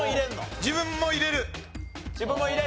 自分も入れるの？